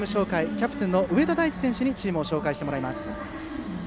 キャプテンの上田大地選手にチームを紹介してもらいます。